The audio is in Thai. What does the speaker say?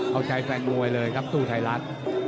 เอาใจแฟนมวยเลยครับตู้ไทยรัฐ